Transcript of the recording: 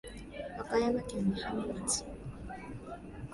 和歌山県美浜町